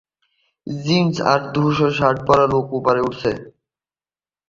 jeans আর ধূসর shirt পরা এক লোক উপরে উঠছে